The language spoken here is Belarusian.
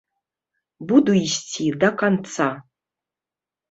Буду ісці да канца.